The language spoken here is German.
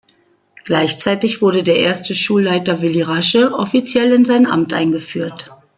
Gleichzeitig wurde der erste Schulleiter Willi Rasche offiziell in sein Amt eingeführt.